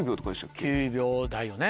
９秒台よね。